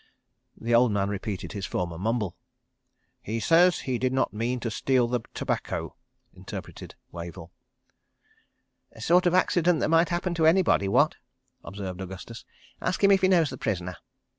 ..." The old man repeated his former mumble. "He says he did not mean to steal the tobacco," interpreted Wavell. "Sort of accident that might happen to anybody, what?" observed Augustus. "Ask him if he knows the prisoner."